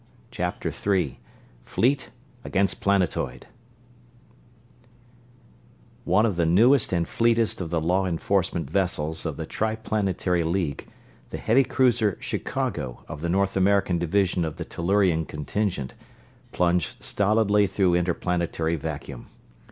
CHAPTER III Fleet Against Planetoid One of the newest and fleetest of the Law Enforcement Vessels of the Triplanetary League, the heavy cruiser Chicago, of the North American Division of the Tellurian Contingent, plunged stolidly through interplanetary vacuum.